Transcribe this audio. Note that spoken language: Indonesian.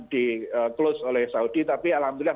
diklus oleh saudi tapi alhamdulillah